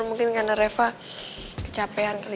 mungkin karena reva kecapean